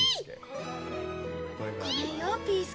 ごめんよ、ピー助。